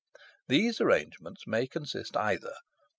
These arrangements may consist either 1.